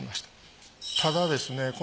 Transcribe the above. ただですね